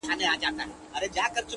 زه لا اوس روانېدمه د توپان استازی راغی؛